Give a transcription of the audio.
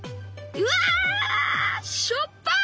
うわしょっぱい！